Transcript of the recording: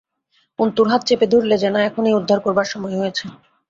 অন্তুর হাত চেপে ধরলে, যেন এখনই উদ্ধার করবার সময় হয়েছে।